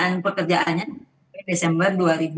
dan itu pekerjaannya pada desember dua ribu enam belas